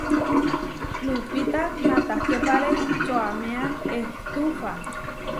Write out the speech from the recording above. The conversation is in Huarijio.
Lupita natahképare čoaméa ehtufa.